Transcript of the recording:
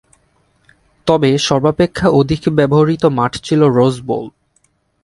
তবে সর্বাপেক্ষা অধিক ব্যবহৃত মাঠ ছিল রোজ বোল।